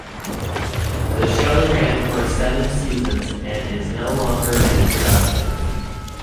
The show ran for seven seasons and is no longer in production.